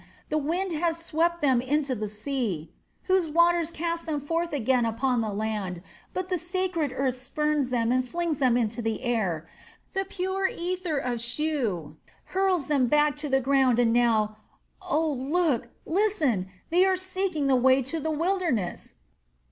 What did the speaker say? The wind has swept them into the sea, whose waters cast them forth again upon the land, but the sacred earth spurns them and flings them into the air. The pure ether of Shu hurls them back to the ground and now oh look, listen they are seeking the way to the wilderness."